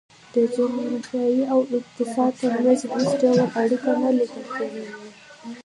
د جغرافیې او اقتصاد ترمنځ هېڅ ډول اړیکه نه لیدل کېږي.